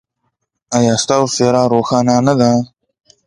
ایا ستاسو څیره روښانه نه ده؟